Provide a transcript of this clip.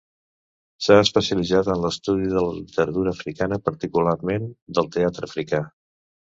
S'ha especialitzat en l'estudi de la literatura africana, particularment del teatre africà.